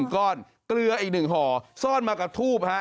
ก้อนเกลืออีก๑ห่อซ่อนมากับทูบฮะ